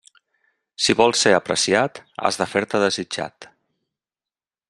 Si vols ser apreciat, has de fer-te desitjat.